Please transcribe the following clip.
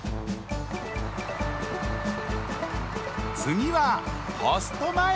つぎはポストまえ！